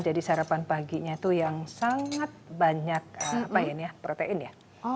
jadi sarapan paginya itu yang sangat banyak protein ya